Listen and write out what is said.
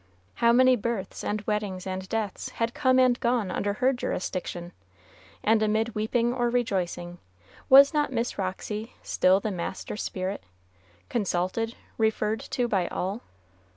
How many births, and weddings, and deaths had come and gone under her jurisdiction! And amid weeping or rejoicing, was not Miss Roxy still the master spirit, consulted, referred to by all?